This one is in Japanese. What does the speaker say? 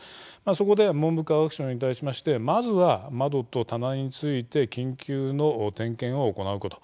そこで文部科学省に対してまずは窓と棚について緊急の点検を行うこと。